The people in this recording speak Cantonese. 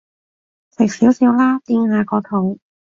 食少少啦，墊下個肚